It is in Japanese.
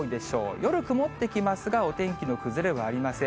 夜曇ってきますが、お天気の崩れはありません。